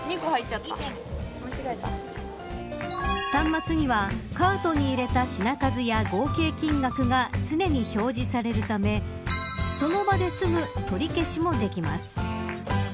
端末には、カートに入れた品数や合計金額が常に表示されるためその場ですぐ取り消しもできます。